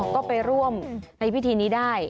ก็ไปร่วมในพิธีนี้ได้